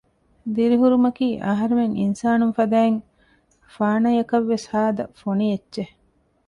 ދިރިހުރުމަކީ އަހަރެމެން އިންސާނުން ފަދައިން ފާނަޔަކަށް ވެސް ހާދަ ފޮނި އެއްޗެއް